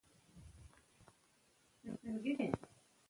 میرویس نیکه د پښتنو د پیاوړتیا لپاره کار کاوه.